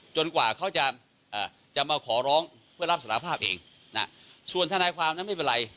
กว่าเขาจะมาขอร้องเพื่อรับสารภาพเองส่วนทนายความนั้นไม่เป็นไร